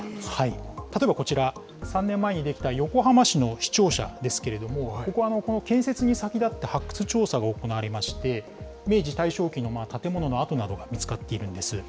例えばこちら、３年前に出来た横浜市の市庁舎ですけれども、ここは建設に先立って発掘調査が行われまして、明治・大正期の建物の跡などが見つかっているんです。